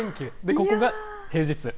ここが平日。